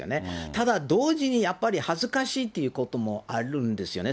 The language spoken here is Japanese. ただ、同時に、やっぱり恥ずかしいということもあるんですよね。